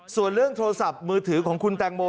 ส่วนเรื่องโทรศัพท์มือถือของคุณแตงโม